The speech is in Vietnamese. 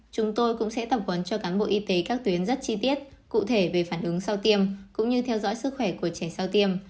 chúng tôi cũng sẽ tập huấn cho cán bộ y tế các tuyến rất chi tiết cụ thể về phản ứng sau tiêm cũng như theo dõi sức khỏe của trẻ sau tiêm